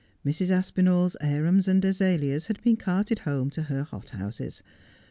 Mrs. Aspinall's arum 3 and azaleas had been carted home to her hothouses.